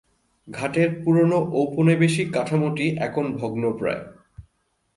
ঘাটের পুরনো ঔপনিবেশিক কাঠামোটি এখন ভগ্নপ্রায়।